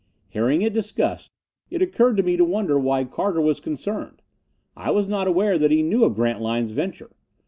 Hearing it discussed, it occurred to me to wonder why Carter was concerned. I was not aware that he knew of Grantline's venture.